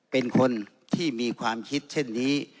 เป็นคนที่มีความคิดเช่นนี้